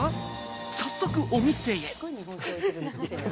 早速お店へ。